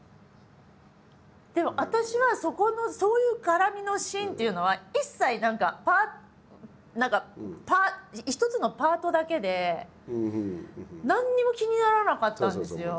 でも私はそこのそういう絡みのシーンっていうのは一切何か一つのパートだけで何にも気にならなかったんですよ。